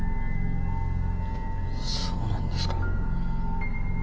そうなんですか。